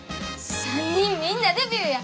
３人みんなデビューや！